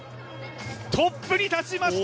トップに立ちました！